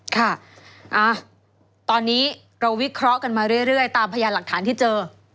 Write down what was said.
ค่ะตอนนี้เราวิเคราะห์กันมาเรื่อยตามพยานหลักฐานที่เจอ